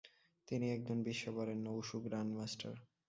তিনি একজন বিশ্ববরেণ্য wushu grandmaster.